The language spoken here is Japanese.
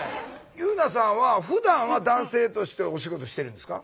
夕菜さんはふだんは男性としてお仕事してるんですか？